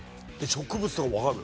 植物とかわかる？